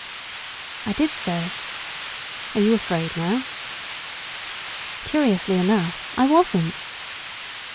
I did so. "Are you afraid now?" Curiously enough I wasn't.